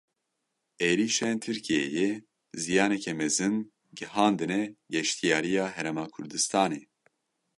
Êrîşên Tirkiyeyê ziyaneke mezin gihandine geştiyariya Herêma Kurdistanê.